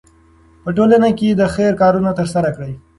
په ټولنه کې د خیر کارونه ترسره کړئ.